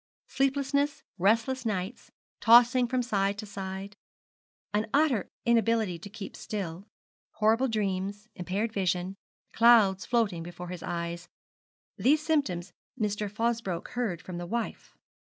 Sleeplessness, restless nights, tossing from side to side, an utter inability to keep still, horrible dreams, impaired vision, clouds floating before the eyes, these symptoms Mr. Fosbroke heard from the wife.